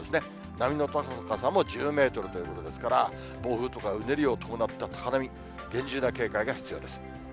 波の高さも１０メートルということですから、暴風とかうねりを伴った高波、厳重な警戒が必要です。